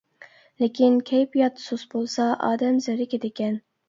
لېكىن، كەيپىيات سۇس بولسا، ئادەم زېرىكىدىكەن.